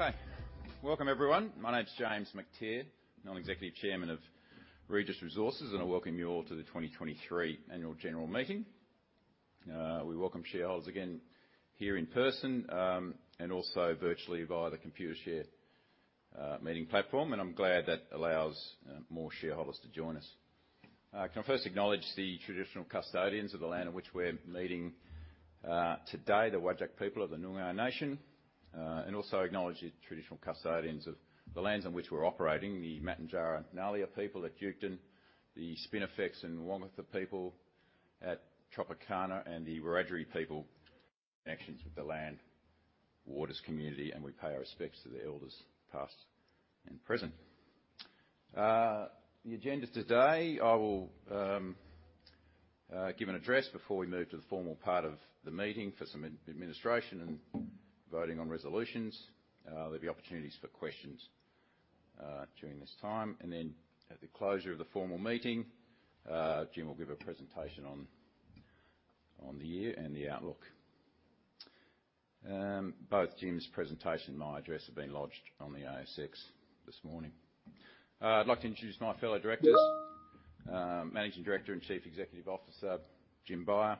Okay. Welcome, everyone. My name's James Mactier, Non-Executive Chairman of Regis Resources, and I welcome you all to the 2023 annual general meeting. We welcome shareholders again here in person, and also virtually via the Computershare meeting platform, and I'm glad that allows more shareholders to join us. Can I first acknowledge the traditional custodians of the land on which we're meeting today, the Whadjuk people of the Noongar Nation. And also acknowledge the traditional custodians of the lands on which we're operating, the Mantjintjarra Ngalia people at Duketon, the Spinifex and Wongatha people at Tropicana, and the Wiradjuri people, connections with the land, waters, community, and we pay our respects to the elders, past and present. The agendas today, I will give an address before we move to the formal part of the meeting for some administration and voting on resolutions. There'll be opportunities for questions during this time, and then at the closure of the formal meeting, Jim will give a presentation on the year and the outlook. Both Jim's presentation and my address have been lodged on the ASX this morning. I'd like to introduce my fellow directors, Managing Director and Chief Executive Officer, Jim Beyer.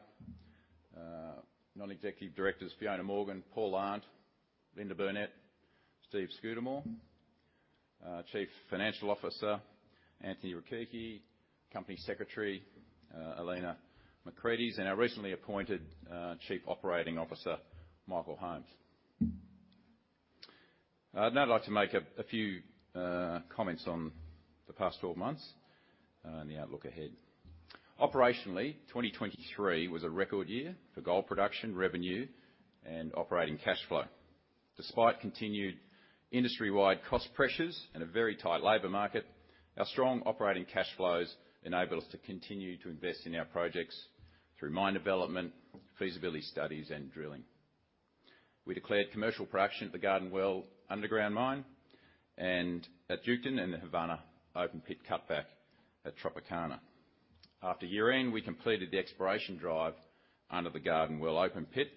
Non-Executive Directors, Fiona Morgan, Paul Arndt, Lynda Burnett, Steve Scudamore. Chief Financial Officer, Anthony Rechichi, Company Secretary, Elena Macrides, and our recently appointed Chief Operating Officer, Michael Holmes. I'd now like to make a few comments on the past 12 months and the outlook ahead. Operationally, 2023 was a record year for gold production, revenue, and operating cash flow. Despite continued industry-wide cost pressures and a very tight labor market, our strong operating cash flows enabled us to continue to invest in our projects through mine development, feasibility studies, and drilling. We declared commercial production at the Garden Well underground mine and at Duketon and the Havana open pit cutback at Tropicana. After year-end, we completed the exploration drive under the Garden Well open pit,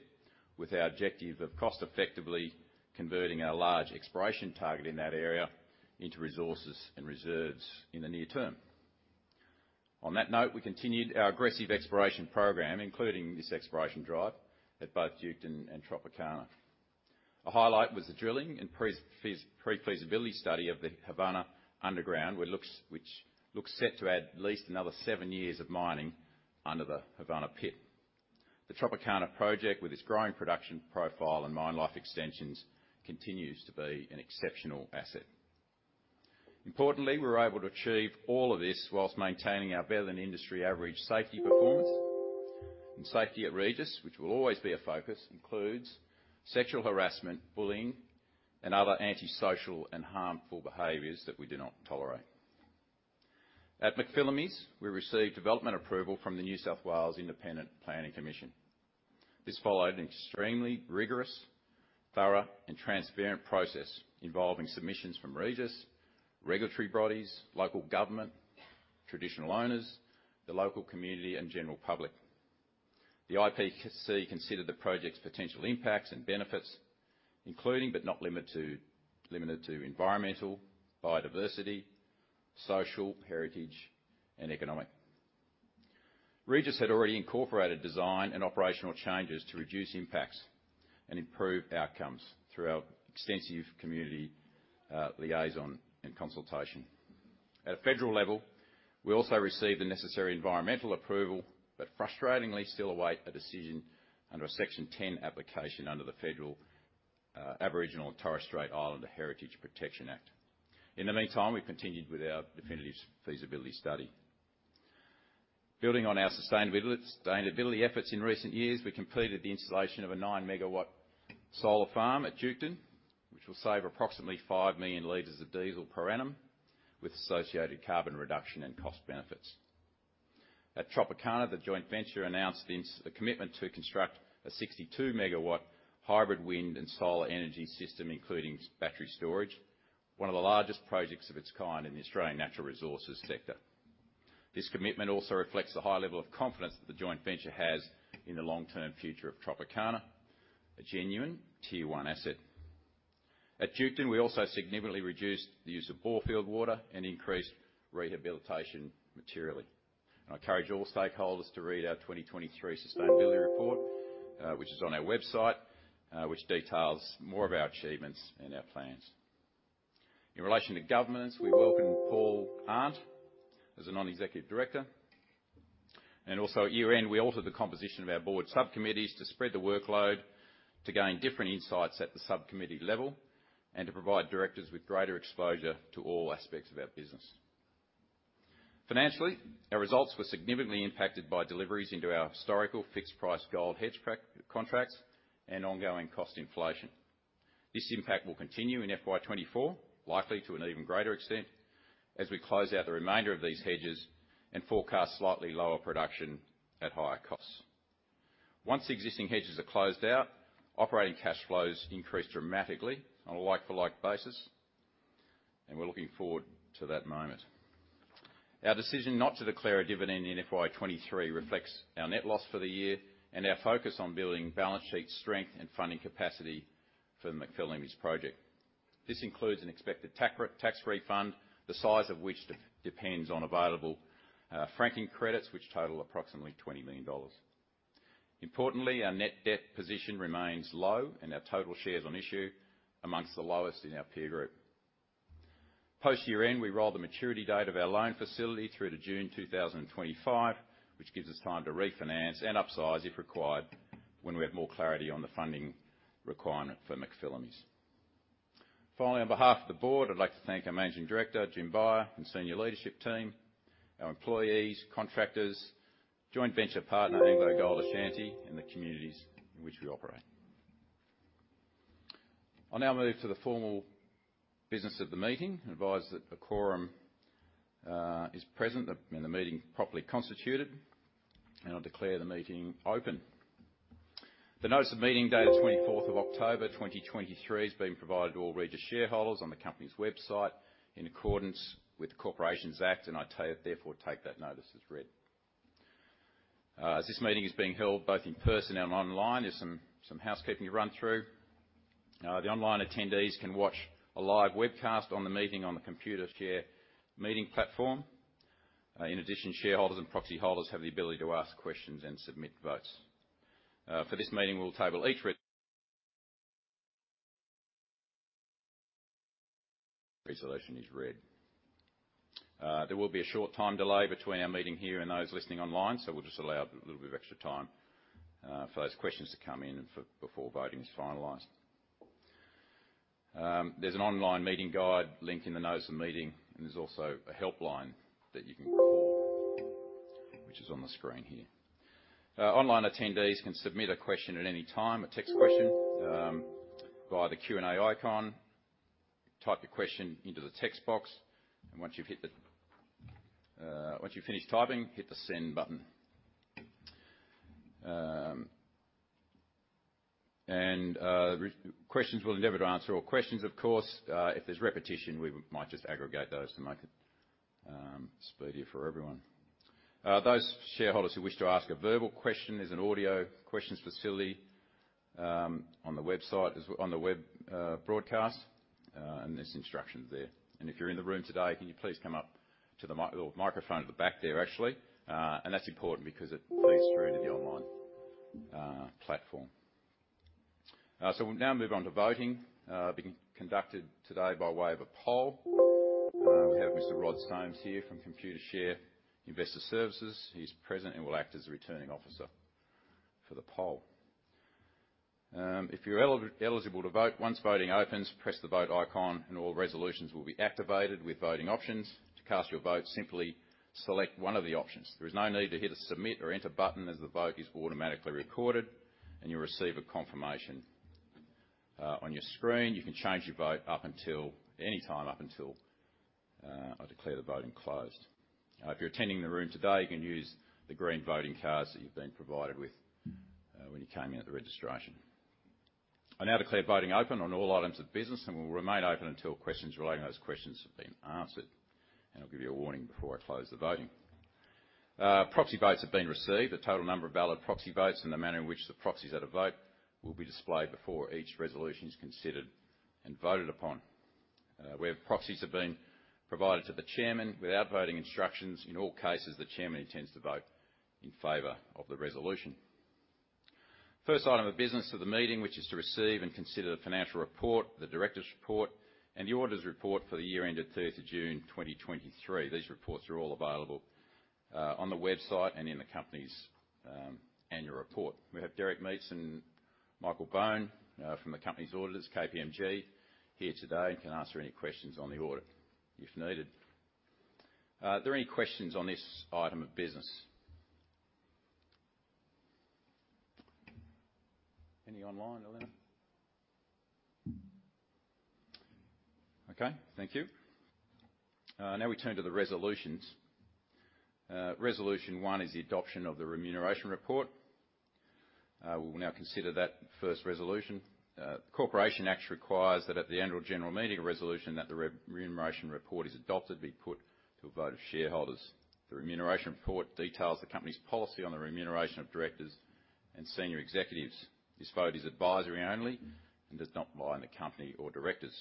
with our objective of cost effectively converting our large exploration target in that area into resources and reserves in the near term. On that note, we continued our aggressive exploration program, including this exploration drive at both Duketon and Tropicana. A highlight was the drilling and pre-feasibility study of the Havana Underground, which looks set to add at least another seven years of mining under the Havana pit. The Tropicana project, with its growing production profile and mine-life extensions, continues to be an exceptional asset. Importantly, we were able to achieve all of this while maintaining our better-than-industry average safety performance. Safety at Regis, which will always be a focus, includes sexual harassment, bullying, and other antisocial and harmful behaviors that we do not tolerate. At McPhillamys, we received development approval from the New South Wales Independent Planning Commission. This followed an extremely rigorous, thorough, and transparent process involving submissions from Regis, regulatory bodies, local government, traditional owners, the local community, and general public. The IPC considered the project's potential impacts and benefits, including, but not limited to, environmental, biodiversity, social, heritage, and economic. Regis had already incorporated design and operational changes to reduce impacts and improve outcomes through our extensive community liaison and consultation. At a federal level, we also received the necessary environmental approval, but frustratingly still await a decision under a Section 10 application under the Federal Aboriginal and Torres Strait Islander Heritage Protection Act. In the meantime, we continued with our definitive feasibility study. Building on our sustainability efforts in recent years, we completed the installation of a 9-MW solar farm at Duketon, which will save approximately 5 million liters of diesel per annum, with associated carbon reduction and cost benefits. At Tropicana, the joint venture announced a commitment to construct a 62-MW hybrid wind and solar energy system, including battery storage, one of the largest projects of its kind in the Australian natural resources sector. This commitment also reflects the high level of confidence that the joint venture has in the long-term future of Tropicana, a genuine Tier 1 asset. At Duketon, we also significantly reduced the use of borefield water and increased rehabilitation materially. I encourage all stakeholders to read our 2023 sustainability report, which is on our website, which details more of our achievements and our plans. In relation to governance, we welcome Paul Arndt as a Non-Executive Director, and also at year-end, we altered the composition of our board subcommittees to spread the workload, to gain different insights at the subcommittee level, and to provide directors with greater exposure to all aspects of our business. Financially, our results were significantly impacted by deliveries into our historical fixed-price gold hedge book, contracts and ongoing cost inflation. This impact will continue in FY 2024, likely to an even greater extent, as we close out the remainder of these hedges and forecast slightly lower production at higher costs. Once the existing hedges are closed out, operating cash flows increase dramatically on a like-for-like basis... and we're looking forward to that moment. Our decision not to declare a dividend in FY 2023 reflects our net loss for the year and our focus on building balance sheet strength and funding capacity for the McPhillamys project. This includes an expected tax refund, the size of which depends on available franking credits, which total approximately 20 million dollars. Importantly, our net debt position remains low, and our total shares on issue among the lowest in our peer group. Post year-end, we rolled the maturity date of our loan facility through to June 2025, which gives us time to refinance and upsize, if required, when we have more clarity on the funding requirement for McPhillamys. Finally, on behalf of the board, I'd like to thank our Managing Director, Jim Beyer, and senior leadership team, our employees, contractors, joint venture partner, AngloGold Ashanti, and the communities in which we operate. I'll now move to the formal business of the meeting and advise that a quorum is present, and the meeting is properly constituted, and I'll declare the meeting open. The notice of meeting, dated 24th of October 2023, has been provided to all registered shareholders on the company's website in accordance with the Corporations Act, and I tell you, therefore, take that notice as read. As this meeting is being held both in person and online, there's some housekeeping to run through. The online attendees can watch a live webcast of the meeting on the Computershare meeting platform. In addition, shareholders and proxy holders have the ability to ask questions and submit votes. For this meeting, we'll table each resolution as read. There will be a short time delay between our meeting here and those listening online, so we'll just allow a little bit of extra time for those questions to come in and before voting is finalized. There's an online meeting guide link in the notice of meeting, and there's also a helpline that you can call, which is on the screen here. Online attendees can submit a question at any time, a text question via the Q&A icon. Type your question into the text box, and once you've finished typing, hit the Send button. Questions, we'll endeavor to answer all questions, of course. If there's repetition, we might just aggregate those to make it speedier for everyone. Those shareholders who wish to ask a verbal question, there's an audio questions facility on the website, as on the web broadcast, and there's instructions there. And if you're in the room today, can you please come up to the little microphone at the back there, actually? And that's important because it feeds through to the online platform. So we'll now move on to voting being conducted today by way of a poll. We have Mr. Rod Stones here from Computershare Investor Services. He's present and will act as the Returning Officer for the poll. If you're eligible to vote, once voting opens, press the Vote icon, and all resolutions will be activated with voting options. To cast your vote, simply select one of the options. There is no need to hit a Submit or Enter button, as the vote is automatically recorded, and you'll receive a confirmation on your screen. You can change your vote anytime up until I declare the voting closed. If you're attending in the room today, you can use the green voting cards that you've been provided with when you came in at the registration. I now declare voting open on all items of business and will remain open until questions relating to those questions have been answered, and I'll give you a warning before I close the voting. Proxy votes have been received. The total number of valid proxy votes and the manner in which the proxies had a vote will be displayed before each resolution is considered and voted upon. Where proxies have been provided to the chairman without voting instructions, in all cases, the chairman intends to vote in favor of the resolution. First item of business of the meeting, which is to receive and consider the financial report, the director's report, and the auditor's report for the year ended 3rd of June 2023. These reports are all available on the website and in the company's annual report. We have Derek Meates and Michael Brown from the company's auditors, KPMG, here today, and can answer any questions on the audit if needed. Are there any questions on this item of business? Any online or anything? Okay, thank you. Now we turn to the resolutions. Resolution one is the adoption of the remuneration report. We will now consider that first resolution. The Corporations Act requires that at the annual general meeting, a resolution that the remuneration report is adopted be put to a vote of shareholders. The remuneration report details the company's policy on the remuneration of directors and senior executives. This vote is advisory only and does not bind the company or directors.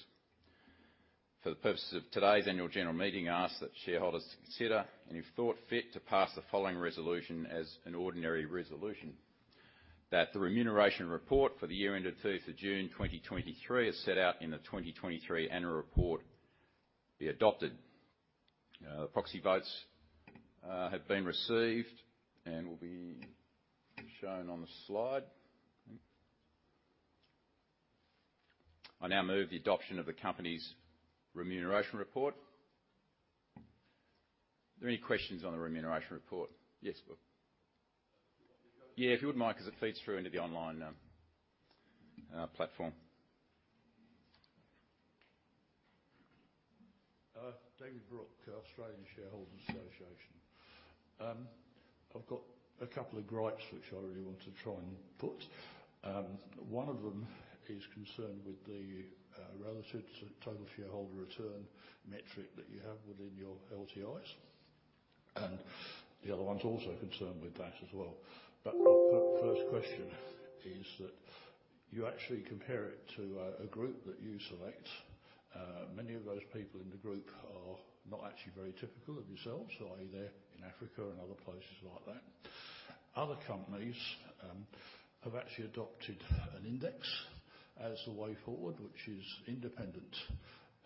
For the purposes of today's annual general meeting, I ask that shareholders consider, and if thought fit, to pass the following resolution as an ordinary resolution: that the remuneration report for the year ended 3 June 2023, as set out in the 2023 annual report, be adopted. The proxy votes have been received and will be shown on the slide. I now move the adoption of the company's remuneration report. Are there any questions on the remuneration report? Yes, Yeah, if you wouldn't mind, 'cause it feeds through into the online platform. David Brook, Australian Shareholders Association. I've got a couple of gripes which I really want to try and put. One of them is concerned with the Relative Total Shareholder Return metric that you have within your LTIs, and the other one's also concerned with that as well. But the first question is that you actually compare it to a group that you select. Many of those people in the group are not actually very typical of yourselves, so either in Africa or in other places like that. Other companies have actually adopted an index as the way forward, which is independent,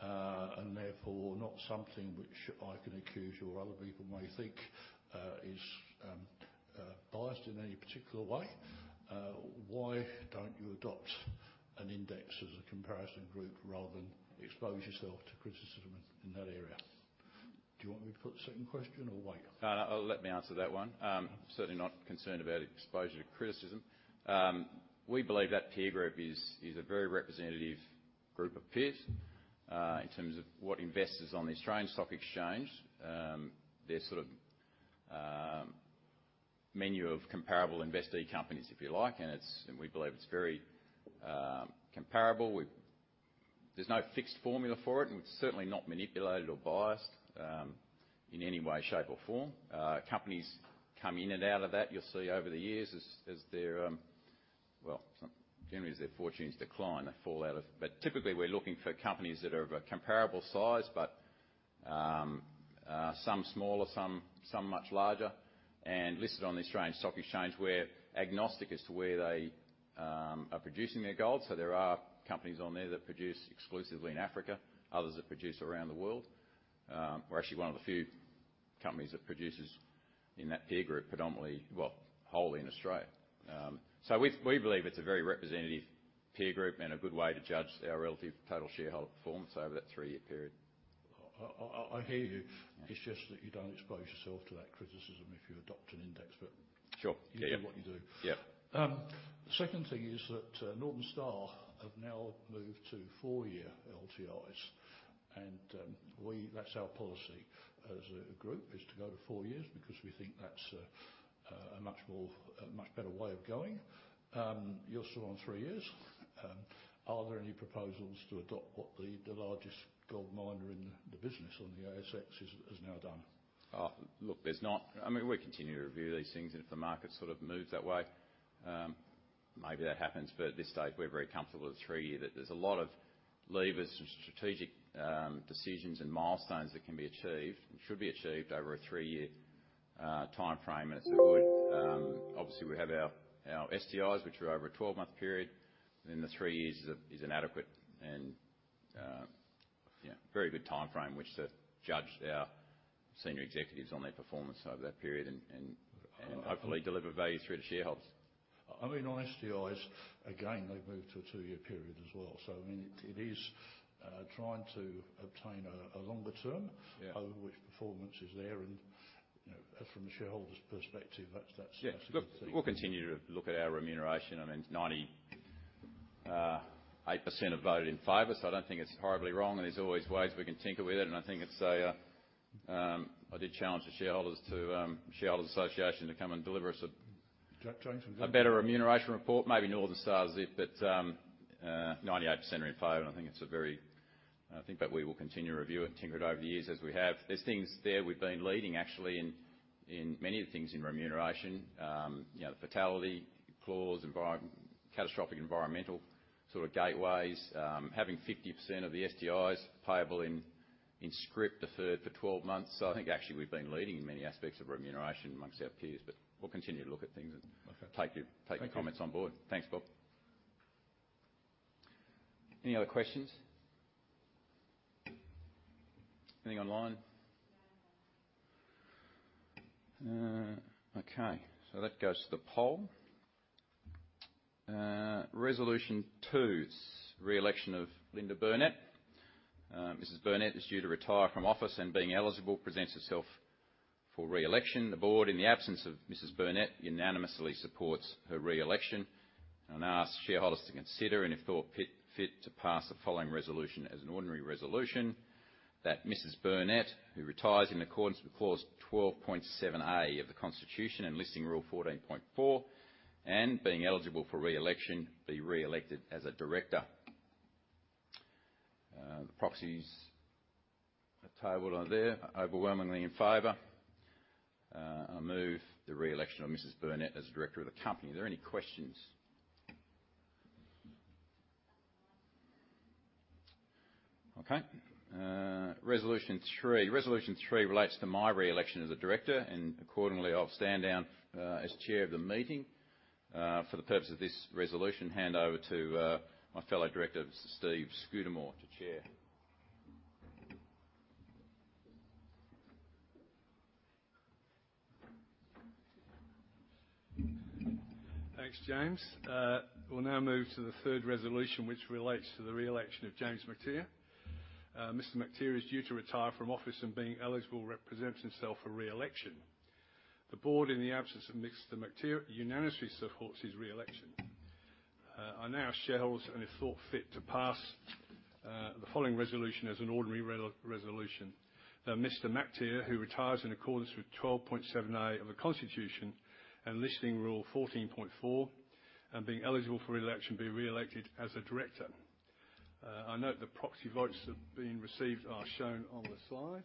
and therefore, not something which I can accuse you or other people may think is biased in any particular way. Why don't you adopt an index as a comparison group rather than expose yourself to criticism in that area? Do you want me to put the second question, or wait? No, no, let me answer that one. Certainly not concerned about exposure to criticism. We believe that peer group is a very representative group of peers in terms of what investors on the Australian Securities Exchange their sort of menu of comparable investee companies, if you like, and it's, and we believe it's very comparable. There's no fixed formula for it, and it's certainly not manipulated or biased in any way, shape, or form. Companies come in and out of that. You'll see over the years as their well, generally, as their fortunes decline, they fall out of. But typically, we're looking for companies that are of a comparable size, but some smaller, some much larger, and listed on the Australian Securities Exchange. We're agnostic as to where they are producing their gold. So there are companies on there that produce exclusively in Africa, others that produce around the world. We're actually one of the few companies that produces in that peer group, predominantly, well, wholly in Australia. So we believe it's a very representative peer group and a good way to judge our relative total shareholder performance over that three-year period. I hear you. Yeah. It's just that you don't expose yourself to that criticism if you adopt an index, but- Sure. Yeah, yeah. You do what you do. Yeah. The second thing is that Northern Star have now moved to four-year LTIs, and that's our policy as a group is to go to four years, because we think that's a much better way of going. You're still on three years. Are there any proposals to adopt what the largest gold miner in the business on the ASX has now done? Oh, look, there's not... I mean, we continue to review these things, and if the market sort of moves that way, maybe that happens. But at this stage, we're very comfortable with the three-year, that there's a lot of levers and strategic decisions and milestones that can be achieved, and should be achieved over a three-year timeframe. And it's a good... obviously, we have our STIs, which are over a 12-month period, and then the three years is an adequate and, yeah, very good timeframe in which to judge our senior executives on their performance over that period and hopefully deliver value through to shareholders. I mean, on STIs, again, they've moved to a two-year period as well. So, I mean, it is trying to obtain a longer term, although if performance is there and, you know, from the shareholder's perspective, that's, that's- Yeah. That's a good thing. Look, we'll continue to look at our remuneration. I mean, 98% have voted in favor, so I don't think it's horribly wrong, and there's always ways we can tinker with it. And I think it's a, I did challenge the shareholders to, shareholders association to come and deliver us a- Change from that. A better remuneration report, maybe Northern Star is it, but, 98% are in favor, and I think it's a very, I think that we will continue to review it and tinker it over the years as we have. There's things there we've been leading, actually, in many of the things in remuneration. You know, the fatality clause, catastrophic environmental sort of gateways, having 50% of the STIs payable in scrip, deferred for 12 months. So I think actually we've been leading in many aspects of remuneration amongst our peers, but we'll continue to look at things and- Okay. Take the comments on board. Thank you. Thanks, Bob. Any other questions? Anything online? No. Okay, so that goes to the poll. Resolution 2, re-election of Lynda Burnett. Mrs. Burnett is due to retire from office and being eligible, presents herself for re-election. The board, in the absence of Mrs. Burnett, unanimously supports her re-election, and I ask shareholders to consider, and if thought fit, to pass the following resolution as an ordinary resolution: That Mrs. Burnett, who retires in accordance with Clause 12.7A of the Constitution and Listing Rule 14.4, and being eligible for re-election, be re-elected as a director. The proxies are tabled on there, overwhelmingly in favor. I move the re-election of Mrs. Burnett as Director of the company. Are there any questions? Okay. Resolution three. Resolution three relates to my re-election as a director, and accordingly, I'll stand down as chair of the meeting. For the purpose of this resolution, hand over to my fellow director, Mr. Steve Scudamore, to chair. Thanks, James. We'll now move to the third resolution, which relates to the re-election of James Mactier. Mr. Mactier is due to retire from office, and being eligible, represents himself for re-election. The board, in the absence of Mr. Mactier, unanimously supports his re-election. I now ask shareholders and if thought fit to pass the following resolution as an ordinary resolution. That Mr. Mactier, who retires in accordance with 12.7A of the Constitution and Listing Rule 14.4, and being eligible for re-election, be re-elected as a director. I note the proxy votes that have been received are shown on the slide,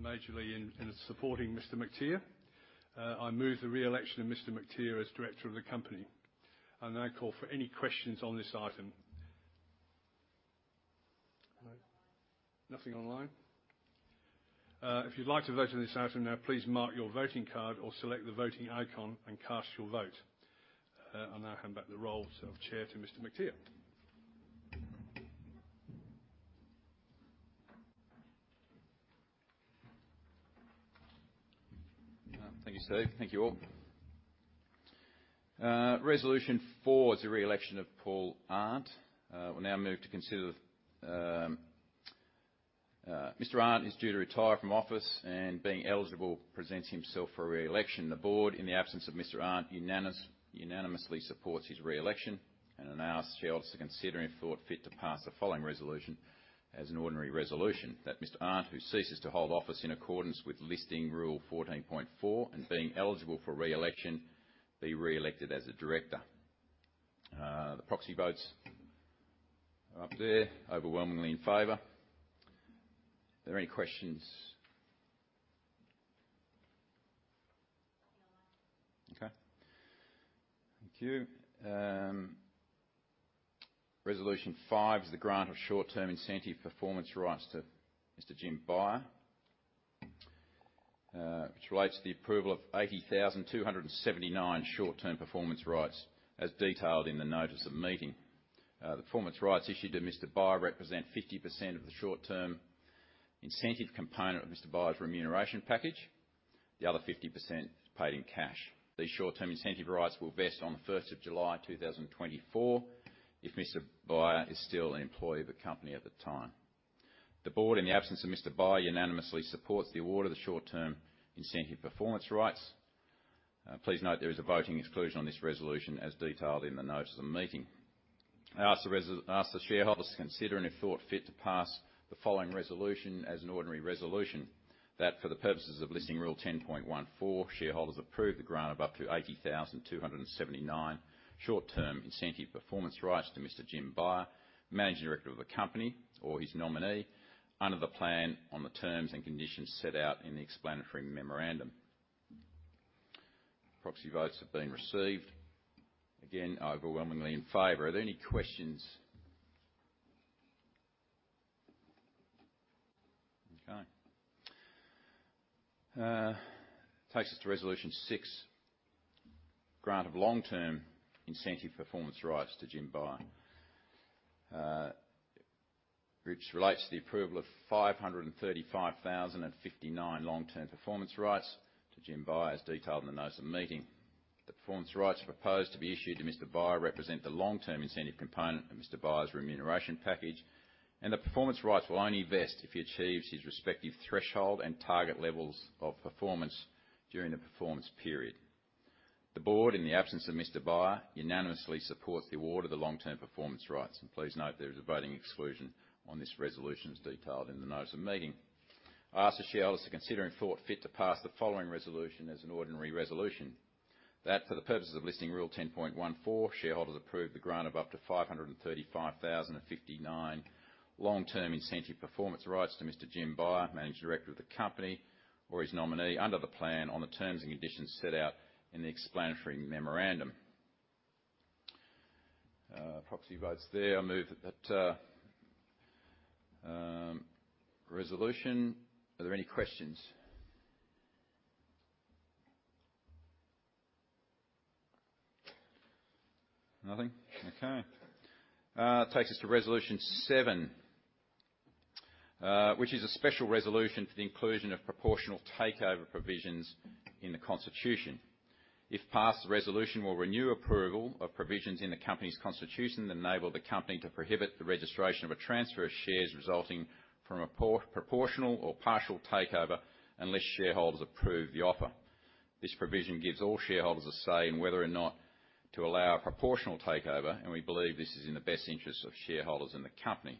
majorly in supporting Mr. Mactier. I move the re-election of Mr. Mactier as director of the company, and I now call for any questions on this item. No? Nothing online. If you'd like to vote on this item now, please mark your voting card or select the voting icon and cast your vote. I now hand back the role of chair to Mr. Mactier. Thank you, Steve. Thank you all. Resolution 4 is the re-election of Paul Arndt. We now move to consider... Mr. Arndt is due to retire from office, and being eligible, presents himself for re-election. The board, in the absence of Mr. Arndt, unanimously, unanimously supports his re-election, and I now ask shareholders to consider, and if thought fit, to pass the following resolution as an ordinary resolution: That Mr. Arndt, who ceases to hold office in accordance with Listing Rule 14.4, and being eligible for re-election, be re-elected as a director. The proxy votes are up there, overwhelmingly in favor. Are there any questions? Nothing online. Okay. Thank you. Resolution 5 is the grant of short-term incentive performance rights to Mr. Jim Beyer, which relates to the approval of 80,279 short-term performance rights, as detailed in the notice of the meeting. The performance rights issued to Mr. Beyer represent 50% of the short-term incentive component of Mr. Beyer's remuneration package. The other 50% is paid in cash. These short-term incentive rights will vest on the first of July, 2024, if Mr. Beyer is still an employee of the company at the time. The board, in the absence of Mr. Beyer, unanimously supports the award of the short-term incentive performance rights. Please note, there is a voting exclusion on this resolution, as detailed in the notice of the meeting. I ask the shareholders to consider, and if thought fit, to pass the following resolution as an ordinary resolution: That for the purposes of Listing Rule 10.14, shareholders approve the grant of up to 80,279 short-term incentive performance rights to Mr. Jim Beyer, Managing Director of the company, or his nominee, under the plan on the terms and conditions set out in the explanatory memorandum. Proxy votes have been received. Again, overwhelmingly in favor. Are there any questions? Okay. Takes us to Resolution 6, grant of long-term incentive performance rights to Jim Beyer. Which relates to the approval of 535,059 long-term performance rights to Jim Beyer, as detailed in the notice of the meeting. The performance rights proposed to be issued to Mr. These represent the long-term incentive component of Mr. Beyer's remuneration package, and the performance rights will only vest if he achieves his respective threshold and target levels of performance during the performance period. The board, in the absence of Mr. Beyer, unanimously supports the award of the long-term performance rights, and please note, there is a voting exclusion on this resolution, as detailed in the notice of meeting. I ask the shareholders to consider, and if thought fit, to pass the following resolution as an ordinary resolution: That for the purposes of Listing Rule 10.14, shareholders approve the grant of up to 535,059 long-term incentive performance rights to Mr. Jim Beyer, Managing Director of the company, or his nominee, under the plan on the terms and conditions set out in the explanatory memorandum. Proxy vote's there. I move that resolution. Are there any questions? Nothing? Okay. Takes us to Resolution 7, which is a special resolution for the inclusion of proportional takeover provisions in the Constitution. If passed, the resolution will renew approval of provisions in the company's constitution that enable the company to prohibit the registration of a transfer of shares resulting from a proportional or partial takeover, unless shareholders approve the offer. This provision gives all shareholders a say in whether or not to allow a proportional takeover, and we believe this is in the best interest of shareholders and the company.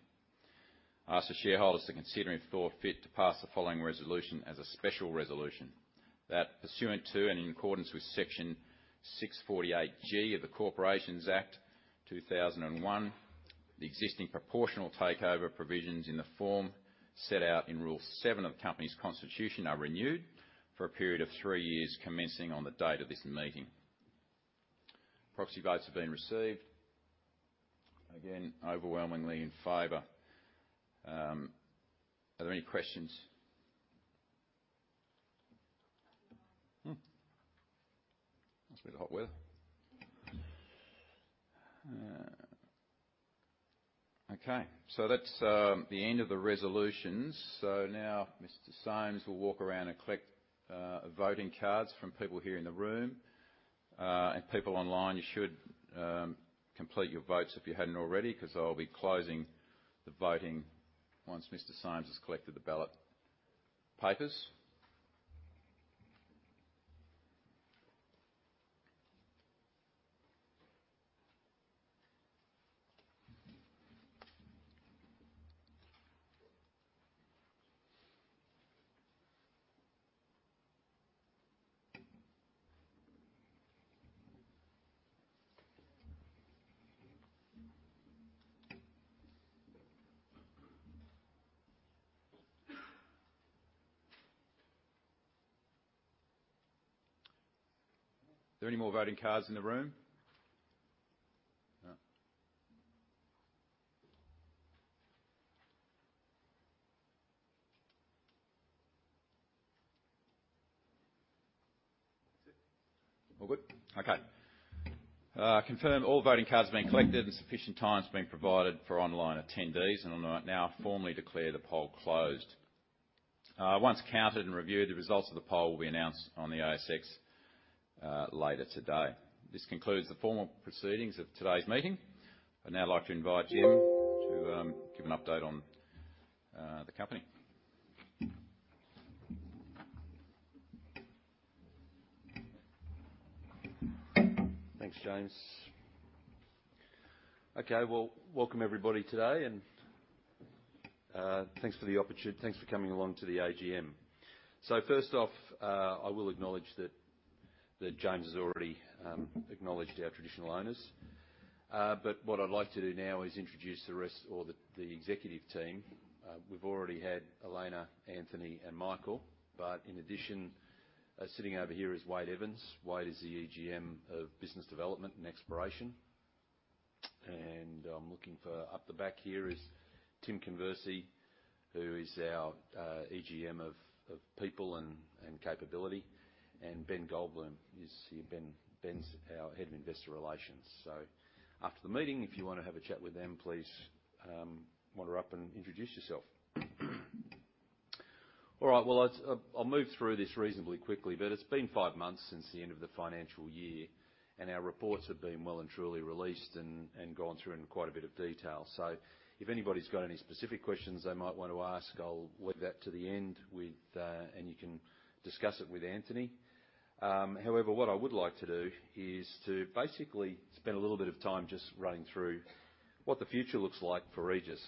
I ask the shareholders to consider, and if thought fit, to pass the following resolution as a special resolution: That pursuant to, and in accordance with Section 648G of the Corporations Act 2001, the existing proportional takeover provisions in the form set out in Rule 7 of the company's constitution are renewed for a period of three years, commencing on the date of this meeting. Proxy votes have been received. Again, overwhelmingly in favor. Are there any questions? Must be the hot weather. Okay. So that's the end of the resolutions. So now Mr. Sims will walk around and collect voting cards from people here in the room. And people online, you should complete your votes if you hadn't already, 'cause I'll be closing the voting once Mr. Sims has collected the ballot papers. Are there any more voting cards in the room? No. That's it. All good? Okay. Confirm all voting cards have been collected, and sufficient time has been provided for online attendees, and I'll now formally declare the poll closed. Once counted and reviewed, the results of the poll will be announced on the ASX later today. This concludes the formal proceedings of today's meeting. I'd now like to invite Jim to give an update on the company. Thanks, James. Okay, well, welcome everybody today, and thanks for coming along to the AGM. So first off, I will acknowledge that James has already acknowledged our traditional owners. But what I'd like to do now is introduce the rest or the executive team. We've already had Elena, Anthony, and Michael, but in addition, sitting over here is Wade Evans. Wade is the EGM of Business Development and Exploration. And up the back here is Tim Conversi, who is our EGM of People and Capability. And Ben Goldbloom is here. Ben, Ben's our Head of Investor Relations. So after the meeting, if you want to have a chat with them, please wander up and introduce yourself. All right, well, I'll move through this reasonably quickly, but it's been five months since the end of the financial year, and our reports have been well and truly released and gone through in quite a bit of detail. So if anybody's got any specific questions they might want to ask, I'll leave that to the end with and you can discuss it with Anthony. However, what I would like to do is to basically spend a little bit of time just running through what the future looks like for Regis.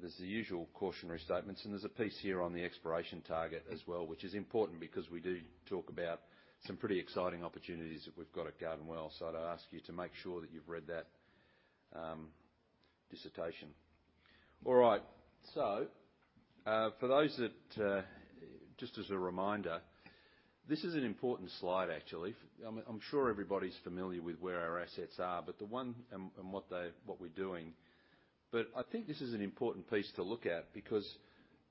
There's the usual cautionary statements, and there's a piece here on the Exploration Target as well, which is important because we do talk about some pretty exciting opportunities that we've got at Garden Well. So I'd ask you to make sure that you've read that dissertation. All right. So, for those that just as a reminder, this is an important slide, actually. I'm sure everybody's familiar with where our assets are, but what we're doing. But I think this is an important piece to look at, because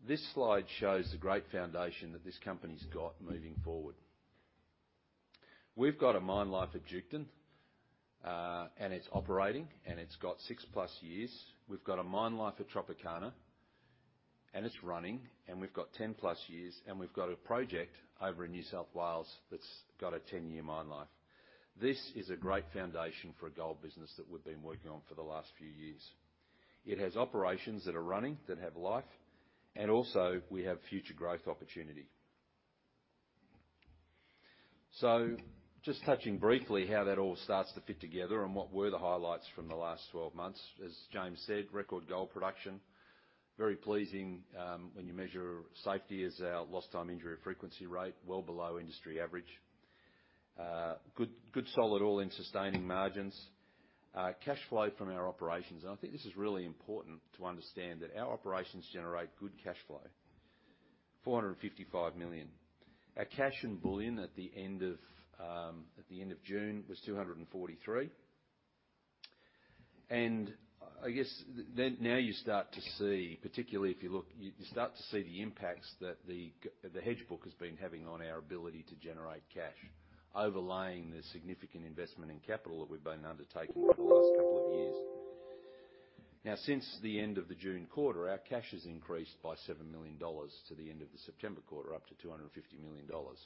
this slide shows the great foundation that this company's got moving forward. We've got a mine life at Duketon, and it's operating, and it's got six plus years. We've got a mine life at Tropicana, and it's running, and we've got 10+ years, and we've got a project over in New South Wales that's got a 10-year mine life. This is a great foundation for a gold business that we've been working on for the last few years. It has operations that are running, that have life, and also, we have future growth opportunity. So just touching briefly how that all starts to fit together and what were the highlights from the last 12 months. As James said, record gold production. Very pleasing, when you measure safety as our lost time injury frequency rate, well below industry average. Good, good solid all-in sustaining margins. Cash flow from our operations, and I think this is really important to understand, that our operations generate good cash flow, 455 million. Our cash in bullion at the end of, at the end of June, was 243 million. And I guess, then now you start to see, particularly if you look, you start to see the impacts that the hedge book has been having on our ability to generate cash, overlaying the significant investment in capital that we've been undertaking over the last couple of years. Now, since the end of the June quarter, our cash has increased by 7 million dollars to the end of the September quarter, up to 250 million dollars.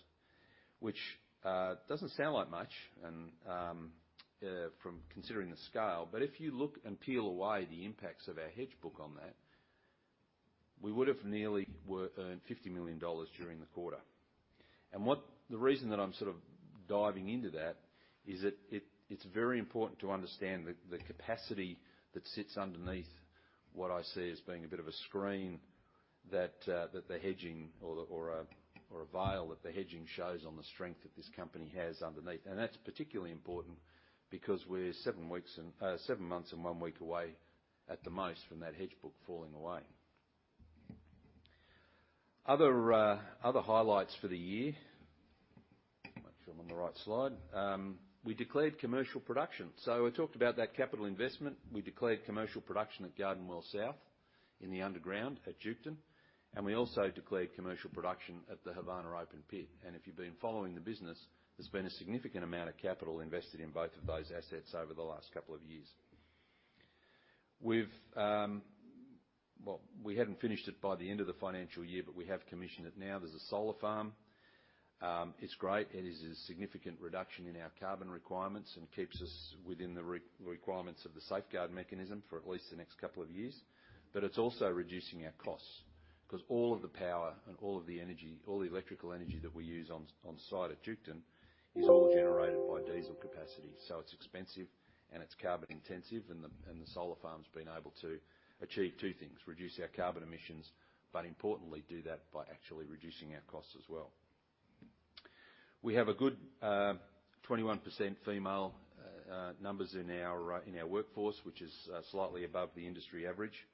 Which doesn't sound like much, and from considering the scale, but if you look and peel away the impacts of our hedge book on that, we would've nearly earned 50 million dollars during the quarter. The reason that I'm sort of diving into that, is that it, it's very important to understand that the capacity that sits underneath what I see as being a bit of a screen, that that the hedging or a veil that the hedging shows on the strength that this company has underneath. And that's particularly important because we're seven weeks, and seven months and one week away, at the most, from that hedge book falling away. Other highlights for the year. Make sure I'm on the right slide. We declared commercial production, so I talked about that capital investment. We declared commercial production at Garden Well South, in the underground at Duketon, and we also declared commercial production at the Havana open pit. And if you've been following the business, there's been a significant amount of capital invested in both of those assets over the last couple of years. We've... Well, we hadn't finished it by the end of the financial year, but we have commissioned it now. There's a solar farm. It's great. It is a significant reduction in our carbon requirements and keeps us within the requirements of the Safeguard Mechanism for at least the next couple of years. But it's also reducing our costs, 'cause all of the power and all of the energy, all the electrical energy that we use on site at Duketon, is all generated by diesel capacity. So it's expensive, and it's carbon intensive, and the solar farm's been able to achieve two things: reduce our carbon emissions, but importantly, do that by actually reducing our costs as well. We have a good 21% female numbers in our workforce, which is slightly above the industry average.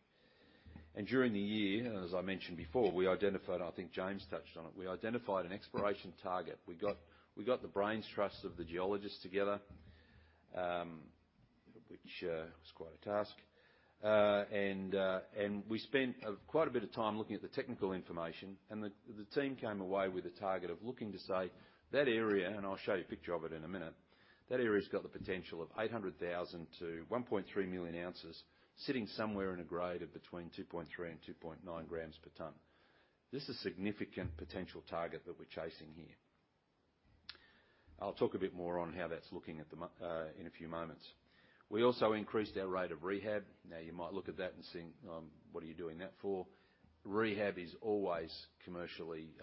And during the year, and as I mentioned before, we identified. And I think James touched on it. We identified an Exploration Target. We got the brains trust of the geologists together, which was quite a task. And we spent quite a bit of time looking at the technical information, and the team came away with a target of looking to say, "That area" - and I'll show you a picture of it in a minute - "That area's got the potential of 800,000-1.3 million ounces, sitting somewhere in a grade of between 2.3-2.9 g per tonne." This is a significant potential target that we're chasing here. I'll talk a bit more on how that's looking at the mo-, in a few moments. We also increased our rate of rehab. Now, you might look at that and think, "What are you doing that for?" Rehab is always commercially,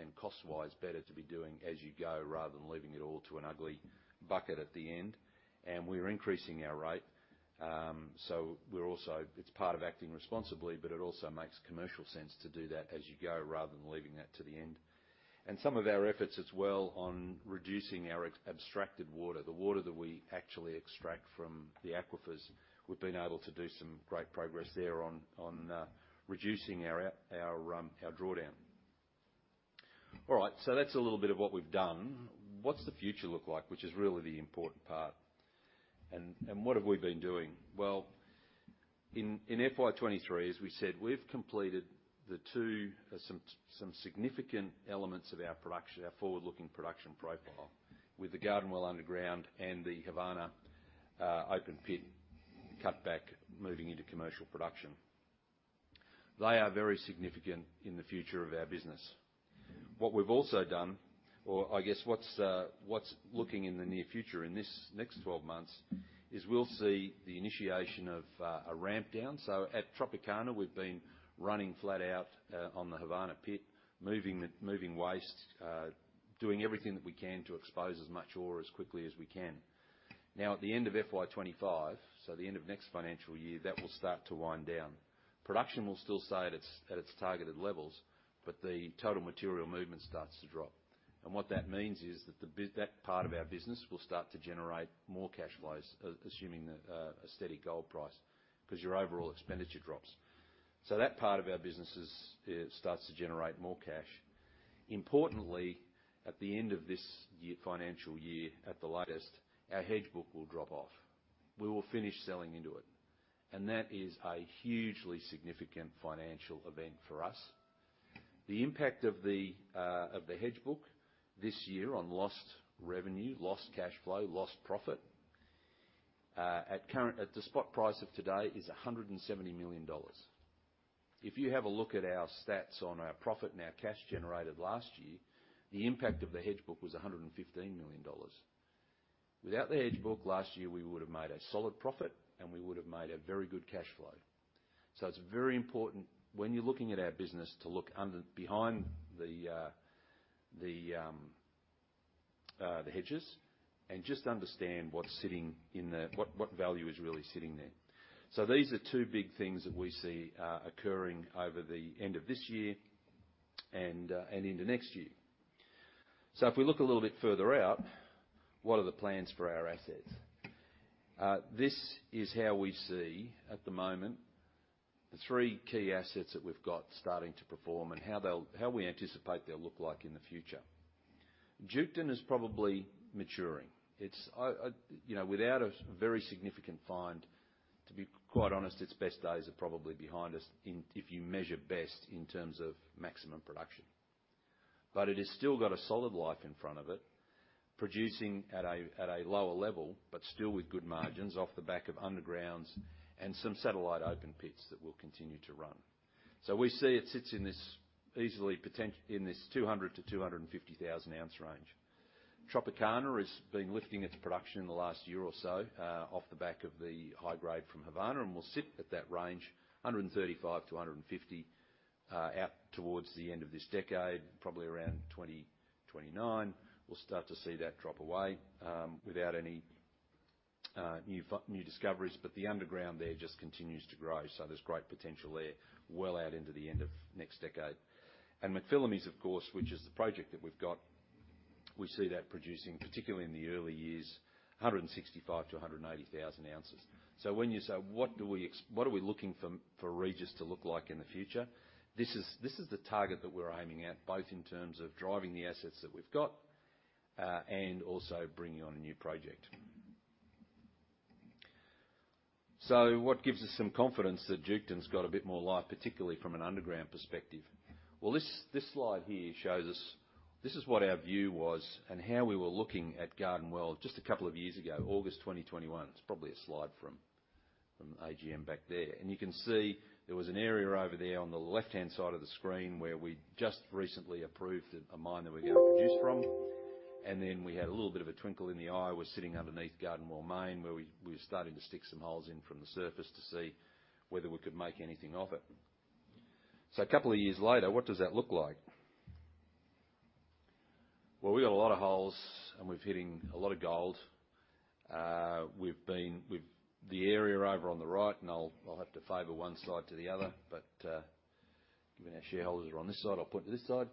and cost-wise, better to be doing as you go, rather than leaving it all to an ugly bucket at the end. And we're increasing our rate, so we're also, it's part of acting responsibly, but it also makes commercial sense to do that as you go, rather than leaving that to the end. And some of our efforts as well on reducing our abstracted water, the water that we actually extract from the aquifers. We've been able to do some great progress there on reducing our drawdown. All right, so that's a little bit of what we've done. What's the future look like? Which is really the important part. And what have we been doing? Well, in FY 2023, as we said, we've completed the two some significant elements of our production, our forward-looking production profile, with the Garden Well underground and the Havana open pit cutback moving into commercial production. They are very significant in the future of our business. What we've also done, or I guess, what's looking in the near future, in this next 12 months, is we'll see the initiation of a ramp down. So at Tropicana, we've been running flat out on the Havana pit, moving the waste, doing everything that we can to expose as much ore as quickly as we can. Now, at the end of FY 2025, so the end of next financial year, that will start to wind down. Production will still stay at its targeted levels, but the total material movement starts to drop. What that means is that that part of our business will start to generate more cash flows, assuming that a steady gold price, 'cause your overall expenditure drops. That part of our businesses starts to generate more cash. Importantly, at the end of this year, financial year, at the latest, our hedge book will drop off. We will finish selling into it, and that is a hugely significant financial event for us. The impact of the hedge book this year on lost revenue, lost cash flow, lost profit, at current spot price of today, is 170 million dollars. If you have a look at our stats on our profit and our cash generated last year, the impact of the hedge book was 115 million dollars. Without the hedge book last year, we would have made a solid profit, and we would have made a very good cash flow. So it's very important, when you're looking at our business, to look under, behind the, the hedges and just understand what's sitting in the... What, what value is really sitting there. So these are two big things that we see, occurring over the end of this year and, and into next year. So if we look a little bit further out, what are the plans for our assets? This is how we see, at the moment, the three key assets that we've got starting to perform and how they'll, how we anticipate they'll look like in the future. Duketon is probably maturing. It's. You know, without a very significant find, to be quite honest, its best days are probably behind us, in if you measure best in terms of maximum production. But it has still got a solid life in front of it, producing at a lower level, but still with good margins off the back of undergrounds and some satellite open pits that we'll continue to run. So we see it sits in this 200,000-250,000 ounce range. Tropicana has been lifting its production in the last year or so, off the back of the high grade from Havana and will sit at that range, 135,000-150,000 out towards the end of this decade, probably around 2029. We'll start to see that drop away, without any, new discoveries. But the underground there just continues to grow, so there's great potential there well out into the end of next decade. And McPhillamys, of course, which is the project that we've got, we see that producing, particularly in the early years, 165,000-180,000 ounces. So when you say, what are we looking for, for Regis to look like in the future? This is the target that we're aiming at, both in terms of driving the assets that we've got, and also bringing on a new project. So what gives us some confidence that Duketon's got a bit more life, particularly from an underground perspective? Well, this slide here shows us. This is what our view was and how we were looking at Garden Well just a couple of years ago, August 2021. It's probably a slide from the AGM back there. And you can see there was an area over there on the left-hand side of the screen where we just recently approved a mine that we're going to produce from... and then we had a little bit of a twinkle in the eye. We're sitting underneath Garden Well Main, where we were starting to stick some holes in from the surface to see whether we could make anything of it. So a couple of years later, what does that look like? Well, we've got a lot of holes, and we're hitting a lot of gold. We've been the area over on the right, and I'll have to favor one side to the other, but given our shareholders are on this side, I'll point to this side.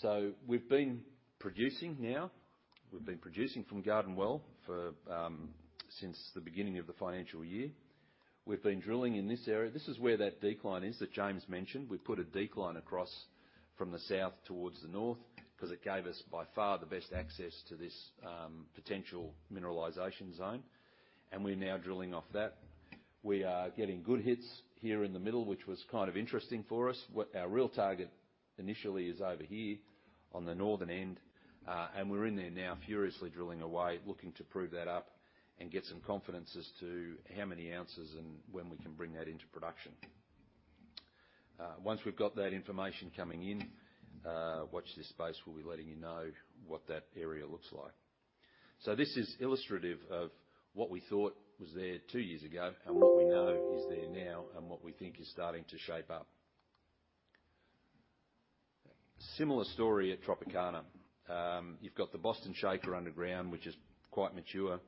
So we've been producing now. We've been producing from Garden Well for since the beginning of the financial year. We've been drilling in this area. This is where that decline is, that James mentioned. We put a decline across from the south towards the north because it gave us, by far, the best access to this potential mineralization zone, and we're now drilling off that. We are getting good hits here in the middle, which was kind of interesting for us. Our real target initially is over here on the northern end. And we're in there now, furiously drilling away, looking to prove that up and get some confidence as to how many ounces and when we can bring that into production. Once we've got that information coming in, watch this space, we'll be letting you know what that area looks like. So this is illustrative of what we thought was there two years ago, and what we know is there now, and what we think is starting to shape up. Similar story at Tropicana. You've got the Boston Shaker underground, which is quite mature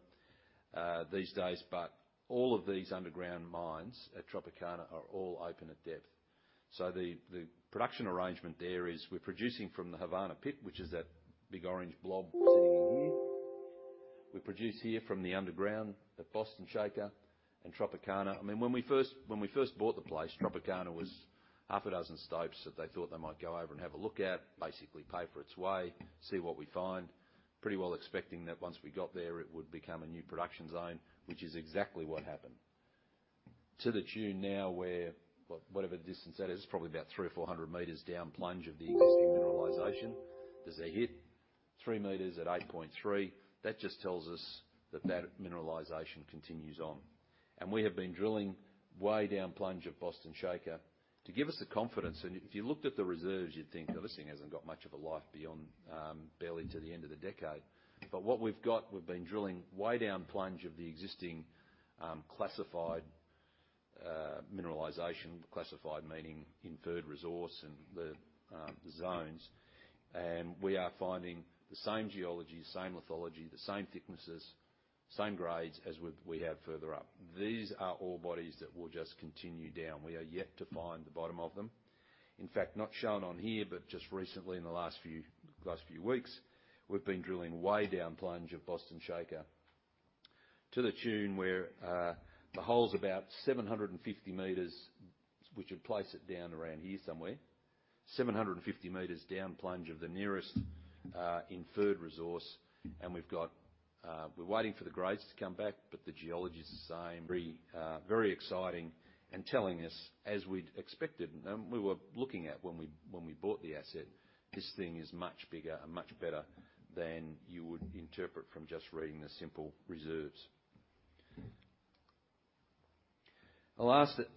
these days, but all of these underground mines at Tropicana are all open at depth. So the production arrangement there is, we're producing from the Havana Pit, which is that big orange blob you're seeing here. We produce here from the underground, at Boston Shaker and Tropicana. I mean, when we first bought the place, Tropicana was half a dozen stopes that they thought they might go over and have a look at, basically pay for its way, see what we find. Pretty well expecting that once we got there, it would become a new production zone, which is exactly what happened. To the tune now where whatever distance that is, probably about 300-400 m down plunge of the existing mineralization. There's a hit, 3 m at 8.3. That just tells us that that mineralization continues on, and we have been drilling way down plunge at Boston Shaker to give us the confidence... And if you looked at the reserves, you'd think, "Well, this thing hasn't got much of a life beyond barely to the end of the decade." But what we've got, we've been drilling way down plunge of the existing classified mineralization. Classified, meaning Inferred Resource and the zones. And we are finding the same geology, same lithology, the same thicknesses, same grades as we have further up. These are all bodies that will just continue down. We are yet to find the bottom of them. In fact, not shown on here, but just recently in the last few, last few weeks, we've been drilling way down plunge of Boston Shaker, to the tune where, the hole's about 750 m, which would place it down around here somewhere. 750 m down plunge of the nearest, inferred resource, and we've got... We're waiting for the grades to come back, but the geology is the same. Very, very exciting and telling us, as we'd expected and we were looking at when we, when we bought the asset, this thing is much bigger and much better than you would interpret from just reading the simple reserves. The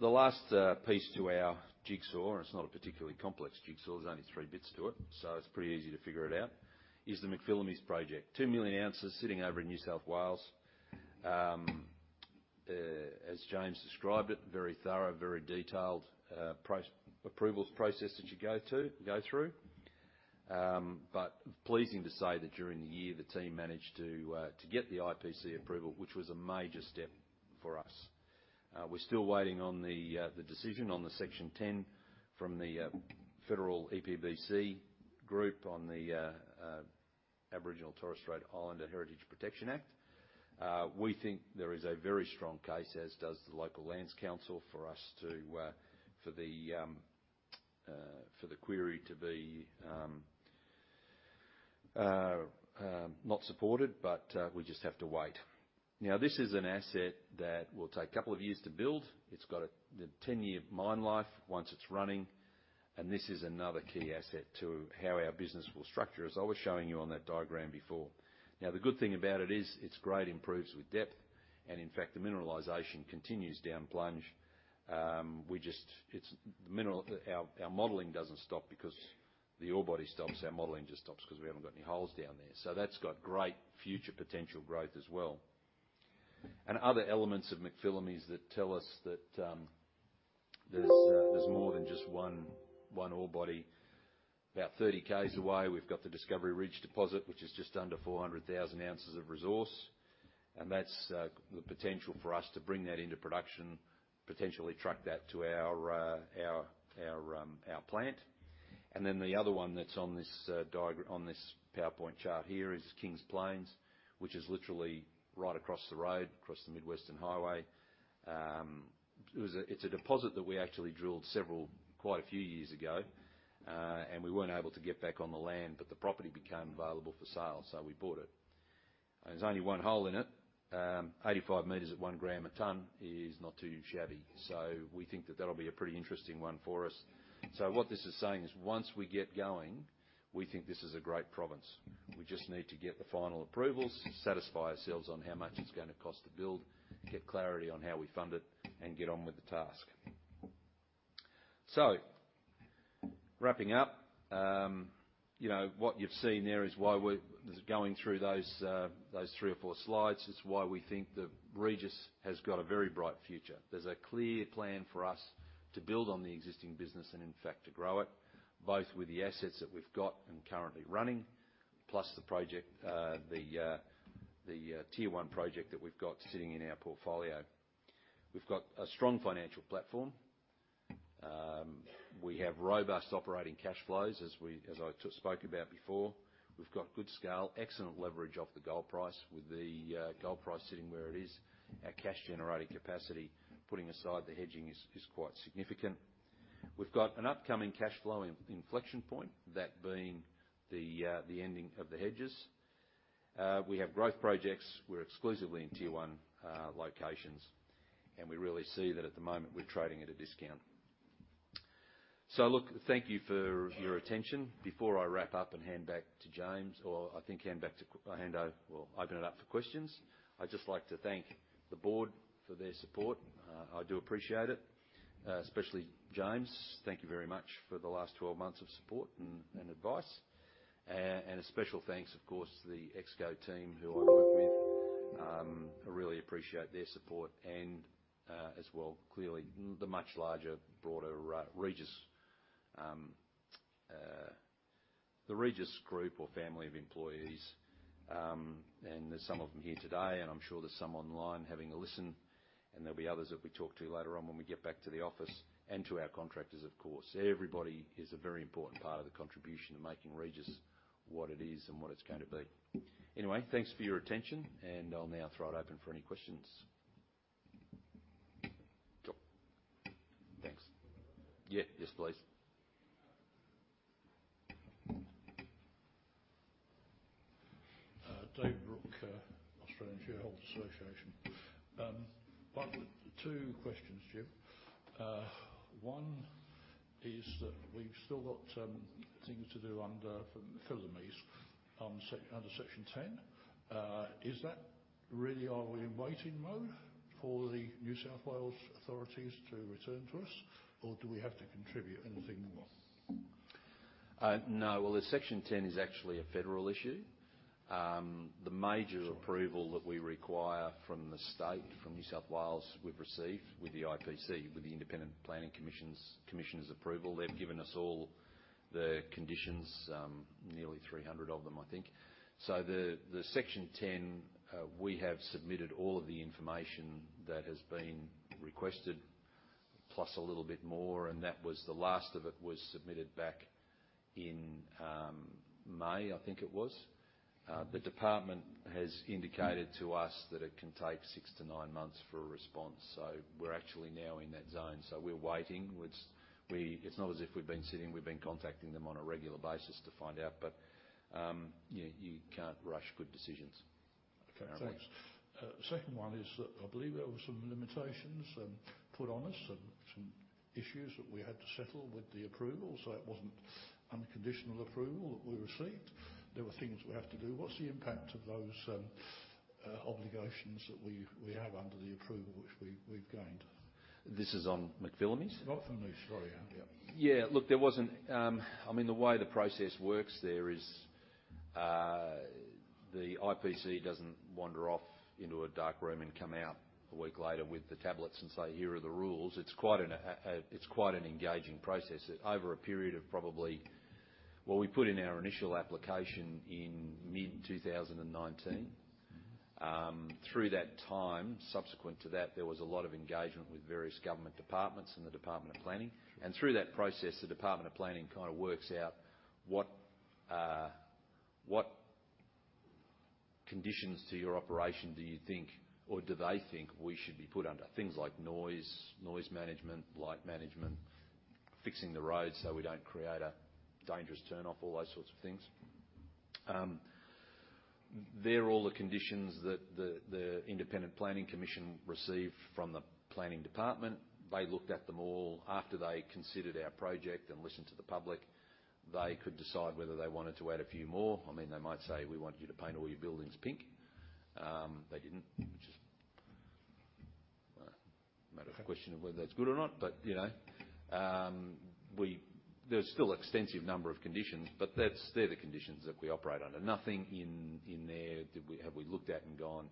last piece to our jigsaw, and it's not a particularly complex jigsaw, there's only three bits to it, so it's pretty easy to figure it out, is the McPhillamys project. 2 million ounces sitting over in New South Wales. As James described it, very thorough, very detailed, process approvals process that you go to, go through. But pleasing to say that during the year, the team managed to get the IPC approval, which was a major step for us. We're still waiting on the decision on the Section 10 from the federal EPBC Group on the Aboriginal and Torres Strait Islander Heritage Protection Act. We think there is a very strong case, as does the local lands council, for us to, for the query to be not supported, but we just have to wait. Now, this is an asset that will take a couple of years to build. It's got the 10-year mine life once it's running, and this is another key asset to how our business will structure, as I was showing you on that diagram before. Now, the good thing about it is, its grade improves with depth, and in fact, the mineralization continues down plunge. It's our modeling doesn't stop because the ore body stops. Our modeling just stops because we haven't got any holes down there. So that's got great future potential growth as well. Other elements of McPhillamys that tell us that there's more than just one ore body. About 30 km away, we've got the Discovery Ridge deposit, which is just under 400,000 ounces of resource, and that's the potential for us to bring that into production, potentially truck that to our plant. And then the other one that's on this PowerPoint chart here is Kings Plains, which is literally right across the road, across the Mid-Western Highway. It's a deposit that we actually drilled several, quite a few years ago, and we weren't able to get back on the land, but the property became available for sale, so we bought it. There's only one hole in it. 85 meters at 1 g a tonne is not too shabby, so we think that that'll be a pretty interesting one for us. So what this is saying is, once we get going, we think this is a great province. We just need to get the final approvals, satisfy ourselves on how much it's going to cost to build, get clarity on how we fund it, and get on with the task. So, wrapping up, you know, what you've seen there is why we're going through those, those three or four slides. It's why we think that Regis has got a very bright future. There's a clear plan for us to build on the existing business and, in fact, to grow it, both with the assets that we've got and currently running, plus the project, the Tier 1 project that we've got sitting in our portfolio. We've got a strong financial platform. We have robust operating cash flows, as I spoke about before. We've got good scale, excellent leverage off the gold price. With the gold price sitting where it is, our cash-generating capacity, putting aside the hedging, is quite significant. We've got an upcoming cash flow inflection point, that being the ending of the hedges. We have growth projects. We're exclusively in Tier 1 locations, and we really see that at the moment we're trading at a discount. So look, thank you for your attention. Before I wrap up and hand back to James... Well, open it up for questions. I'd just like to thank the board for their support. I do appreciate it, especially James. Thank you very much for the last 12 months of support and advice. And a special thanks, of course, to the Exco team who I work with. I really appreciate their support and, as well, clearly, the much larger, broader, Regis, the Regis group or family of employees. And there's some of them here today, and I'm sure there's some online having a listen, and there'll be others that we talk to later on when we get back to the office, and to our contractors, of course. Everybody is a very important part of the contribution in making Regis what it is and what it's going to be. Anyway, thanks for your attention, and I'll now throw it open for any questions. Cool. Thanks. Yeah. Yes, please. David Brook, Australian Shareholders Association. One, two questions, Jim. One is that we've still got things to do under McPhillamys, under Section 10. Is that really, are we in waiting mode for the New South Wales authorities to return to us, or do we have to contribute anything more? No. Well, the Section 10 is actually a federal issue. The major- Sure Approval that we require from the state, from New South Wales, we've received with the IPC, with the Independent Planning Commission's approval. They've given us all the conditions, nearly 300 of them, I think. So the Section 10, we have submitted all of the information that has been requested, plus a little bit more, and that was the last of it, was submitted back in May, I think it was. The department has indicated to us that it can take six to nine months for a response, so we're actually now in that zone. So we're waiting, which it's not as if we've been sitting. We've been contacting them on a regular basis to find out, but you can't rush good decisions, apparently. Thanks. Second one is that I believe there were some limitations put on us and some issues that we had to settle with the approval, so it wasn't unconditional approval that we received. There were things we have to do. What's the impact of those obligations that we have under the approval which we've gained? This is on McPhillamys? Not from New South Wales, yeah. Yeah. Look, there wasn't... I mean, the way the process works there is, the IPC doesn't wander off into a dark room and come out a week later with the tablets and say, "Here are the rules." It's quite an engaging process. Over a period of probably... Well, we put in our initial application in mid-2019. Through that time, subsequent to that, there was a lot of engagement with various government departments and the Department of Planning. And through that process, the Department of Planning kind of works out what, what conditions to your operation do you think or do they think we should be put under? Things like noise, noise management, light management, fixing the roads so we don't create a dangerous turnoff, all those sorts of things. They're all the conditions that the Independent Planning Commission received from the Planning Department. They looked at them all. After they considered our project and listened to the public, they could decide whether they wanted to add a few more. I mean, they might say, "We want you to paint all your buildings pink." They didn't, which is matter of question of whether that's good or not. But, you know, there's still extensive number of conditions, but that's, they're the conditions that we operate under. Nothing in there that we have looked at and gone,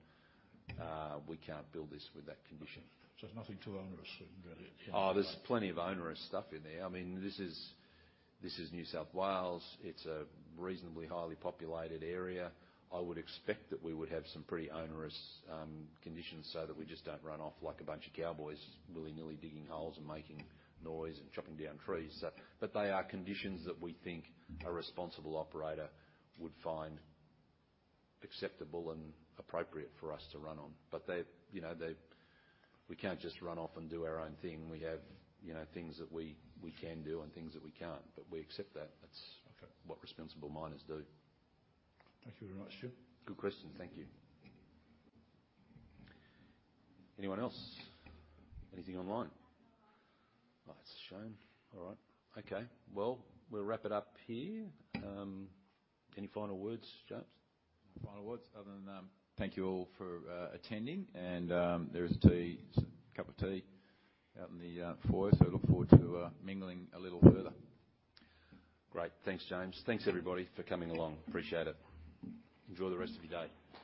"We can't build this with that condition. So there's nothing too onerous in there? Oh, there's plenty of onerous stuff in there. I mean, this is New South Wales. It's a reasonably highly populated area. I would expect that we would have some pretty onerous conditions so that we just don't run off like a bunch of cowboys, willy-nilly digging holes and making noise and chopping down trees. But they are conditions that we think a responsible operator would find acceptable and appropriate for us to run on. But they, you know, they... We can't just run off and do our own thing. We have, you know, things that we can do and things that we can't, but we accept that. Okay. That's what responsible miners do. Thank you very much, Jim. Good question. Thank you. Anyone else? Anything online? Oh, that's a shame. All right. Okay, well, we'll wrap it up here. Any final words, James? Final words, other than, thank you all for attending, and, there is tea, a cup of tea out in the foyer, so look forward to mingling a little further. Great. Thanks, James. Thanks. Thanks, everybody, for coming along. Appreciate it. Enjoy the rest of your day.